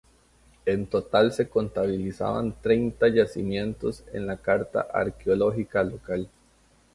En total se contabilizan treinta yacimientos en la Carta Arqueológica local.